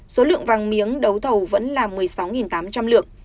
số lượng vàng miếng đấu thầu vẫn là một mươi sáu tám trăm linh lượng